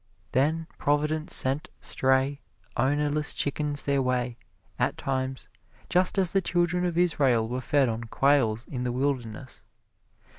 Then Providence sent stray, ownerless chickens their way, at times, just as the Children of Israel were fed on quails in the wilderness.